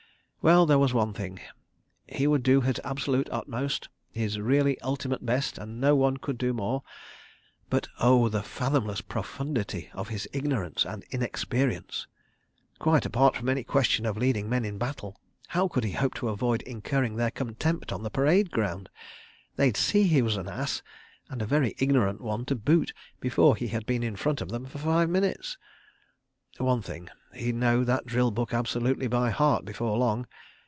... Well—there was one thing, he would do his absolute utmost, his really ultimate best; and no one could do more. But, oh, the fathomless profundity of his ignorance and inexperience! Quite apart from any question of leading men in battle, how could he hope to avoid incurring their contempt on the parade ground? They'd see he was an Ass, and a very ignorant one to boot, before he had been in front of them for five minutes. ... One thing—he'd know that drill book absolutely by heart before long.